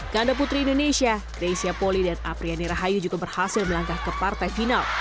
kandaputri indonesia greysia poli dan apriyani rahayu juga berhasil melangkah ke partai final